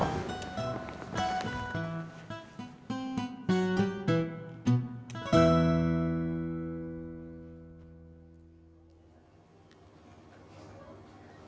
ya terima kasih